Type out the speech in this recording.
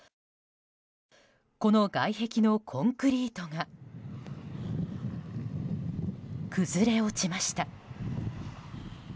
この外壁のコンクリートが崩れ落ちました。